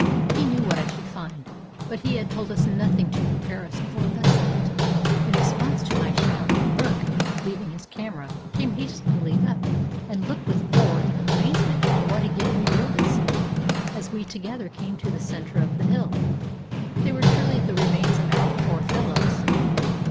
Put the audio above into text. He knew what I should find ; but he had told us nothing to prepare us for the sight. In response to my shout, Burke, leaving his camera, came hastily up, and looked with horror and amazement on what again revealed itself, as we together came to the center of the hill. They were truly the re mains of our poor fellows.